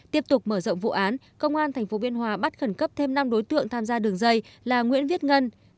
tiếp tục mở rộng vụ án công an tp biên hòa bắt khẩn cấp thêm năm đối tượng tham gia đường dây là nguyễn viết ngân